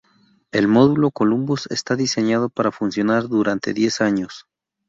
El módulo Columbus está diseñado para funcionar durante diez años.